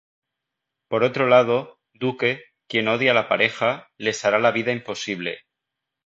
Por otro lado, Duque, quien odia a la pareja, les hará la vida imposible.